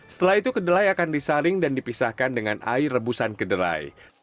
setelah itu kedelai akan disaring dan dipisahkan dengan air rebusan kedelai